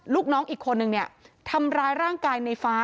ลูกน้องอีกคนนึงเนี่ยทำร้ายร่างกายในฟ้า